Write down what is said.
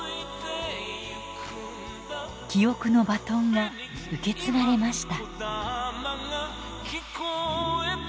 記憶のバトンが受け継がれました。